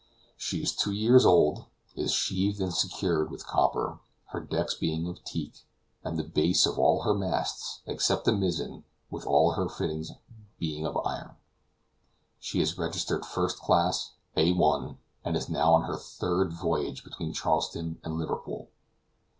She is two years old, is sheathed and secured with copper, her decks being of teak, and the base of all her masts, except the mizzen, with all their fittings, being of iron. She is registered first class, A1, and is now on her third voyage between Charleston and Liverpool.